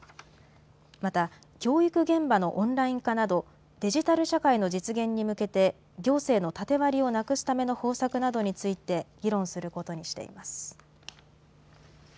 また、教育現場のオンライン化などデジタル社会の実現に向けて行政の縦割りをなくすための方策などについて議論することにしています。